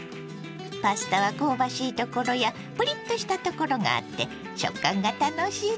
パスタは香ばしい所やプリッとした所があって食感が楽しいですよ。